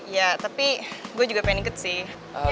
iya tapi gue juga pengen ikut sih